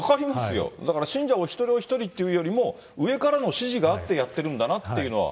だから信者お一人お一人というよりも、上からの指示があってやってるんだなっていうのは。